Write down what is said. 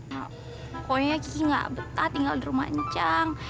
pokoknya kiki gak betah tinggal di rumah encang